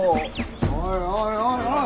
おいおいおいおい！